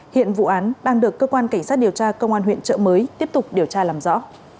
hiện vụ án đang được cơ quan cảnh sát điều tra công an huyện trợ mới tiếp tục điều tra làm rõ